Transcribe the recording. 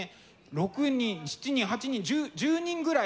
６人７人８人１０人ぐらい。